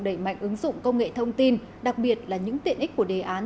đẩy mạnh ứng dụng công nghệ thông tin đặc biệt là những tiện ích của đề án